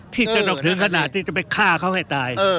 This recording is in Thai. ที่ตนกถึงขนาดที่จะไปฆ่าเขาให้ตาย